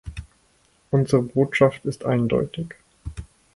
Unsere Botschaft ist eindeutig.